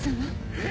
えっ？